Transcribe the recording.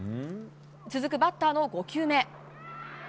続くバッターの５球目。